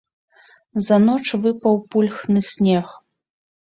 За ноч выпаў пульхны снег.